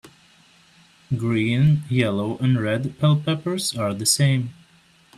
Green, yellow and red bell peppers are the same.